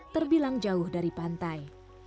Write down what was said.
terbilang jauh dari pantai